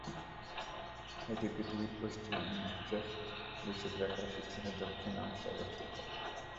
এটি পৃথিবীর পশ্চিমাংশে বিষুবরেখার পেছনে দক্ষিণ পাশে অবস্থিত।